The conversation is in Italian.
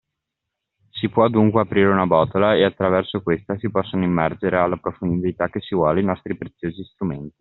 Si può dunque aprire una botola e attraverso questa si possono immergere alla profondità che si vuole i nostri preziosi strumenti.